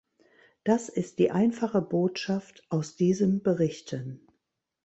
Das ist die einfache Botschaft aus diesen Berichten.